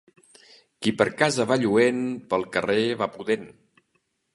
Qui per casa va lluent, pel carrer va pudent.